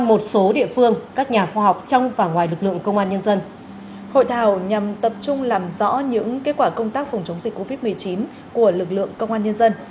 hội thảo nhằm tập trung làm rõ những kết quả công tác phòng chống dịch covid một mươi chín của lực lượng công an nhân dân